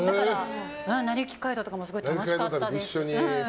「なりゆき街道」とかもすごい楽しかったし。